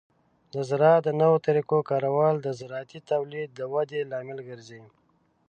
د زراعت د نوو طریقو کارول د زراعتي تولید د ودې لامل ګرځي.